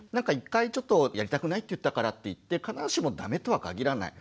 １回ちょっとやりたくないって言ったからっていって必ずしも駄目とは限らない。